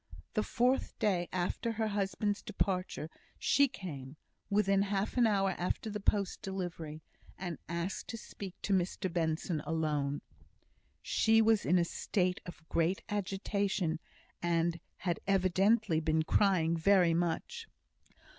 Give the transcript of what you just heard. The fourth day after her husband's departure she came, within half an hour of the post delivery, and asked to speak to Mr Benson alone. She was in a state of great agitation, and had evidently been crying very much.